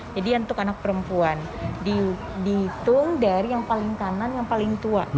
jadi untuk anak perempuan dihitung dari yang paling kanan yang paling tua